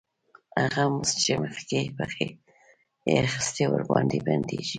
هغه مزد چې مخکې یې اخیست ورباندې بندېږي